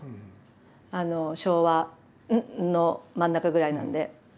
昭和の真ん中ぐらいなんで。